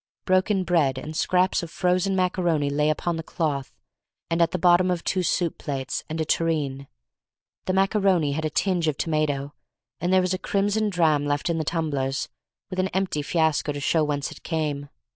Broken bread and scraps of frozen macaroni lay upon the cloth and at the bottom of two soup plates and a tureen; the macaroni had a tinge of tomato; and there was a crimson dram left in the tumblers, with an empty fiasco to show whence it came.